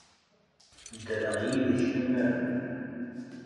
Ddreɣ yid-k tamara.